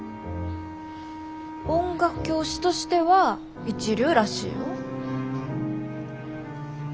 音楽教師としては一流らしいよ。